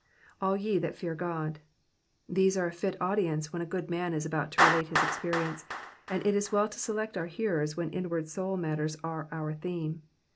An ye that fear God.^^ These are a fit audience when a good man is about to relate his experience ; and it is well to select our hearers when inward soul matters are our theme.